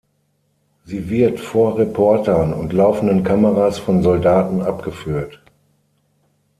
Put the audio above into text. Sie wird vor Reportern und laufenden Kameras von Soldaten abgeführt.